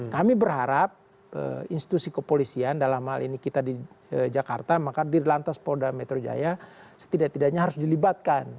kami berharap institusi kepolisian dalam hal ini kita di jakarta maka di lantas polda metro jaya setidak tidaknya harus dilibatkan